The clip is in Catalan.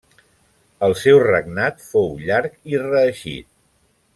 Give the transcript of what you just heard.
El seu regnat fou llarg i reeixit.